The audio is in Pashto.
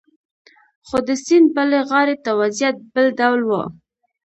خو د سیند بلې غاړې ته وضعیت بل ډول و